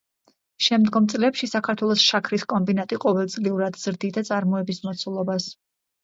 შემდგომ წლებში საქართველოს შაქრის კომბინატი ყოველწლიურად ზრდიდა წარმოების მოცულობას.